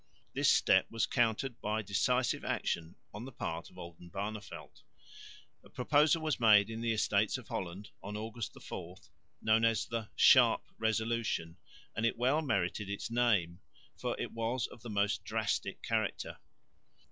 This step was countered by decisive action on the part of Oldenbarneveldt. A proposal was made in the Estates of Holland, August 4, known as the "Sharp Resolution" and it well merited its name, for it was of the most drastic character.